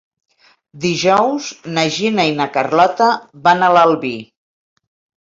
Dijous na Gina i na Carlota van a l'Albi.